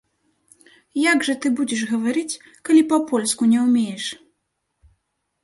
Як жа ты будзеш гаварыць, калі па-польску не ўмееш?